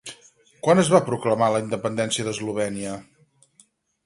Quan es va proclamar la independència d'Eslovènia?